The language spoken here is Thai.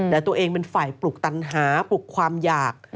แต่ตัวเองเป็นฝ่ายปลุกตันหาปลุกความอยาก